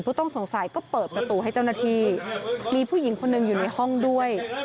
ต้องสงสัยก็เปิดประตูให้เจ้าหน้าที่มีผู้หญิงคนหนึ่งอยู่ในห้องด้วย